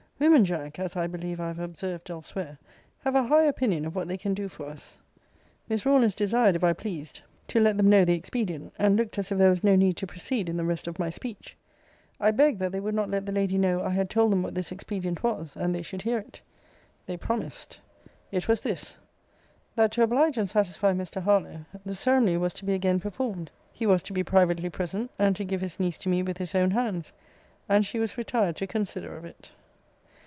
Women, Jack, [as I believe I have observed* elsewhere,] have a high opinion of what they can do for us. Miss Rawlins desired, if I pleased, to let them know the expedient; and looked as if there was no need to proceed in the rest of my speech. * See Letter XXIV. of this volume. I begged that they would not let the lady know I had told them what this expedient was; and they should hear it. They promised. It was this: that to oblige and satisfy Mr. Harlowe, the ceremony was to be again performed. He was to be privately present, and to give his niece to me with his own hands and she was retired to consider of it.